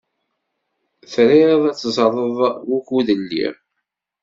Triḍ ad teẓṛeḍ wukud lliɣ?